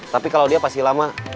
tapi kalau dia pasti lama